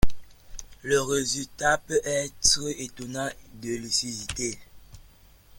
Le résultat peut être étonnant de lucidité.